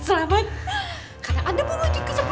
karena anda pun muncul ke sepuluh ribu